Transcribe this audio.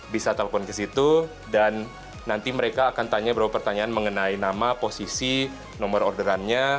bisa telepon ke situ dan nanti mereka akan bertanya mengenai nama posisi nomor orderannya